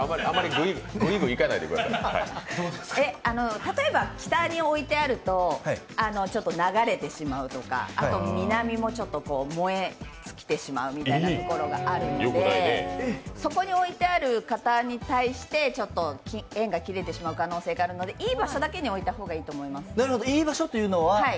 例えば北に置いてあると流れてしまうとか、あと南もちょっと燃え尽きてしまうようなところがあるので、そこに置いてある方に対して縁が切れてしまう可能性があるのでいい場所だけに置いた方がいいと思います。